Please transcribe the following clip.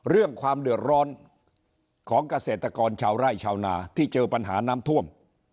เรื่องความเดือดร้อนของเกษตรกรชาวไร่ชาวนาที่เจอปัญหาน้ำท่วม